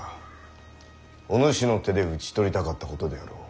お主の手で討ち取りたかったことであろう。